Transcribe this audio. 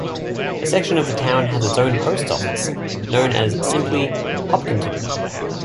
A section of the town has its own post office known as simply Hopkinton.